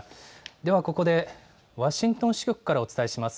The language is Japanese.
ではここで、ワシントン支局からお伝えします。